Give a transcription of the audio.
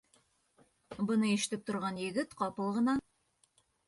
Быны ишетеп торған егет ҡапыл ғына: